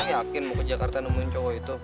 saya yakin mau ke jakarta nemuin cowok itu